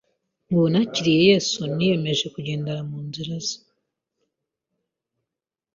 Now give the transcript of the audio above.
Ubu nakiriye Yesu niyemeje kugendera mu nzira ze,